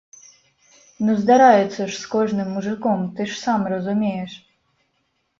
Ну, здараецца ж з кожным мужыком, ты ж сам разумееш.